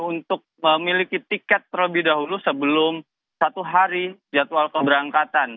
untuk memiliki tiket terlebih dahulu sebelum satu hari jadwal keberangkatan